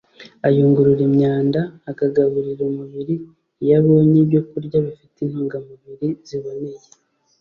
ayungurura imyanda, akagaburira umubiri. iyo abonye ibyokurya bifite intungamubiri ziboneye